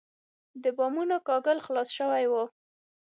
د بامونو کاهګل خلاص شوی و.